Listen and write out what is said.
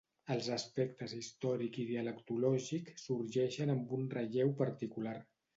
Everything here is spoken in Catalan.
Els aspectes històric i dialectològic sorgeixen amb un relleu particular.